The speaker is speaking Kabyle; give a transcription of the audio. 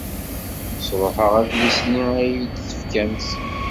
Sṛuḥeɣ adlis-nni ay iyi-d-tefkamt.